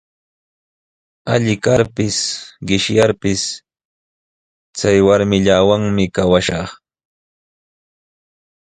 Alli karpis, qishyarpis chay warmillawan kawashaq.